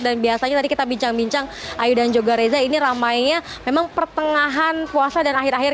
dan biasanya tadi kita bincang bincang ayu dan juga reza ini ramainya memang pertengahan puasa dan akhir akhir